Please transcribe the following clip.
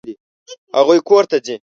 هغوی کور ته ځي.